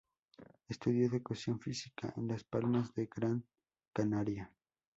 Estudió Educación Física en Las Palmas de Gran Canaria.